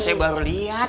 saya baru lihat